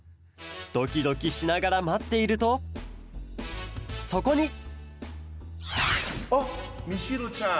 ドキドキしながらまっているとそこにあっみちるちゃんこんにちは！